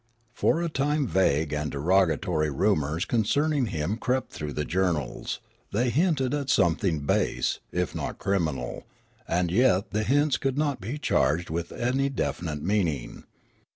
For a time vague and derogatory rumours concerning him crept through the journals ; they hinted at something base, if not crimi nal, and yet the hints could not be charged with any definite meaning.